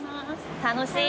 楽しい。